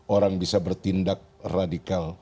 orang bisa bertindak radikal